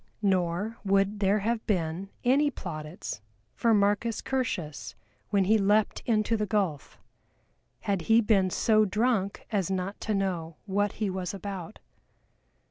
Nor would there have been any plaudits for MARCUS CURTIUS when he leapt into the gulf, had he been so drunk as not to know what he was about.